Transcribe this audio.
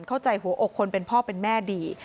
เข้าใจหัวอกคนเป็นพ่อเป็นแม่ดี